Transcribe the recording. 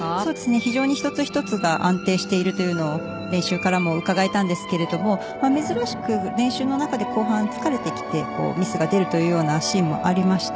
非常に一つ一つが安定しているというのを練習からもうかがえたんですが珍しく練習の中で後半、疲れてきてミスが出るというようなシーンもありました。